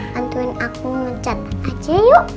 bantuin aku ngecat aja yuk